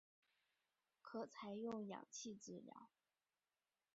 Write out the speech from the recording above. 可采用氧气治疗。